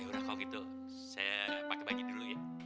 ya udah kalau gitu saya pakai baju dulu ya